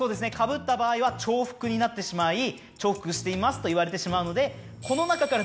かぶった場合は重複になってしまい「重複しています」と言われてしまうので。